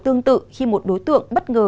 tương tự khi một đối tượng bất ngờ